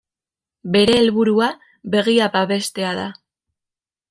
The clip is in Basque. Bere helburua begia babestea da.